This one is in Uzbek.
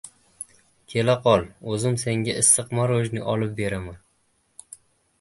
— Kela qol, o‘zim senga issiq morojniy olib beraman.